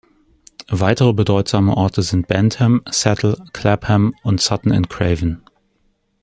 Weitere bedeutende Orte sind Bentham, Settle, Clapham und Sutton-in-Craven.